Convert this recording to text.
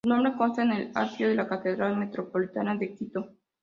Su nombre consta en el atrio de la Catedral Metropolitana de Quito.